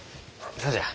そうじゃ。